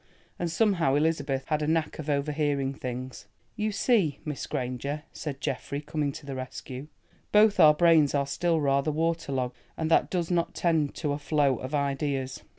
And somehow Elizabeth had a knack of overhearing things. "You see, Miss Granger," said Geoffrey coming to the rescue, "both our brains are still rather waterlogged, and that does not tend to a flow of ideas."